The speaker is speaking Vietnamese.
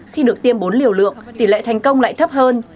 khi được tiêm bốn liều lượng tỷ lệ thành công lại thấp hơn